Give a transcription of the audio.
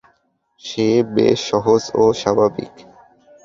সে বেশ সহজ ও স্বাভাবিক।